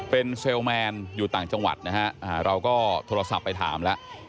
เป็นเซลแมนอยู่ต่างจังหวัดนะฮะเราก็โทรศัพท์ไปถามแล้ว